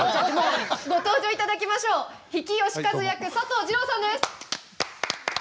ご登場いただきましょう比企能員役佐藤二朗さんです。